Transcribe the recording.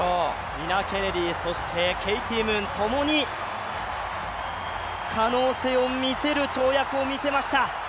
ニナ・ケネディ、そしてケイティ・ムーンともに可能性を見せる跳躍を見せました。